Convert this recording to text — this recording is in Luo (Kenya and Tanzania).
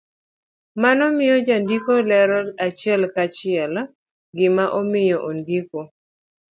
Mano miyo jandiko lero achiel ka chiel gima omiyo ondiko